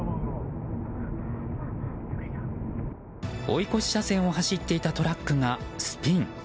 追い越し車線を走っていたトラックがスピン。